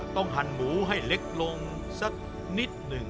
ต้องหั่นหมูให้เล็กลงสักนิดนึง